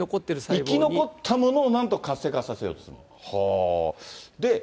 生き残ったものをなんとか活性化させようとする。